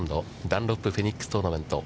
ダンロップフェニックストーナメント。